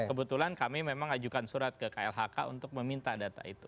kebetulan kami memang ajukan surat ke klhk untuk meminta data itu